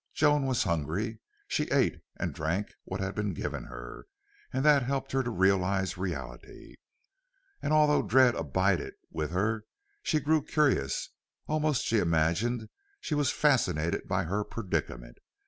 Joan was hungry. She ate and drank what had been given her, and that helped her to realize reality. And although dread abided with her, she grew curious. Almost she imagined she was fascinated by her predicament.